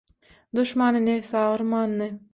duşmana nebsi agyrmandy.